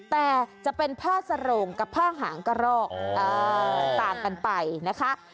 แต่จะเป็นผ้าสโรงกับผ้าหางกระรอกต่างกันไปนะคะ